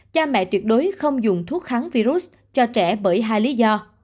cha mẹ tuyệt đối không dùng thuốc kháng virus cho trẻ bởi hai lý do